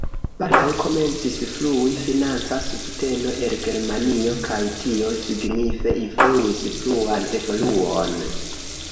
Baldaŭ komencis flui financa subteno el Germanio kaj tio signife influis pluan evoluon.